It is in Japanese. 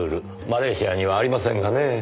マレーシアにはありませんがねぇ。